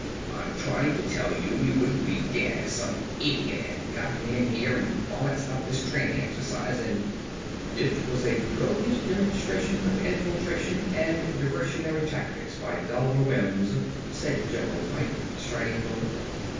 "I'm trying to tell you we wouldn't be dead if some idiot hadn't gotten in here and bollixed up this training exercise and ""... It was a brilliant demonstration of infiltration and diversionary tactics by Dolliver Wims," said General Fyfe, striding forward.